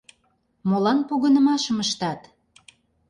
— Молан погынымашым ыштат?